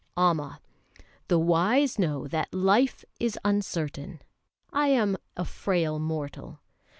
"Amma, the wise know that life is uncertain. I am a frail mortal.